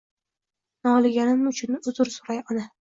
Noliganim uchun uzr suray ona